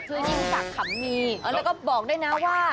คือยิ่งศักดิ์ขำมีแล้วก็บอกด้วยนะว่า